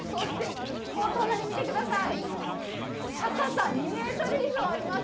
お隣見てください、高さ２ｍ以上あります